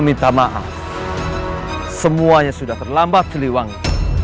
minta maaf semuanya sudah terlambat siliwangi